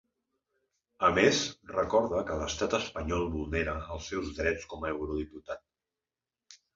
A més, recorda que l’estat espanyol vulnera els seus drets com a eurodiputat.